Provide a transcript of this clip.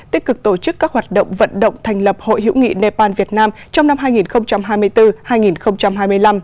tích cực tổ chức các hoạt động vận động thành lập hội hữu nghị nepal việt nam trong năm hai nghìn hai mươi bốn hai nghìn hai mươi năm